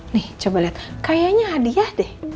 nih coba lihat kayaknya hadiah deh